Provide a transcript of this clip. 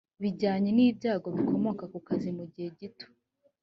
bijyanye n ibyago bikomoka ku kazi mu gihe gito